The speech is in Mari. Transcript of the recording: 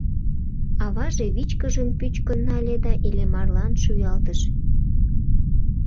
Аваже вичкыжын пӱчкын нале да Иллимарлан шуялтыш.